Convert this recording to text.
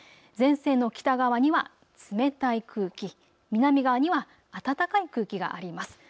前線の北側には冷たい空気、南側には暖かい空気があります。